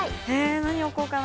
何置こうかな？